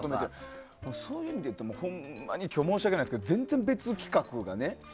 そういう意味で言うと今日申し訳ないけど全然別企画でね。